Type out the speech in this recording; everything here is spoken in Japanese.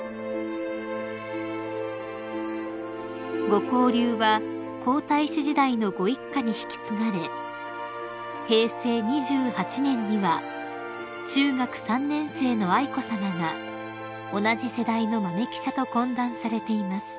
［ご交流は皇太子時代のご一家に引き継がれ平成２８年には中学３年生の愛子さまが同じ世代の豆記者と懇談されています］